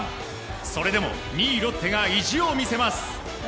それでも２位ロッテが意地を見せます。